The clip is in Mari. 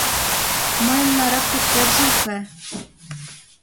Мыйын нарак тептерже уке.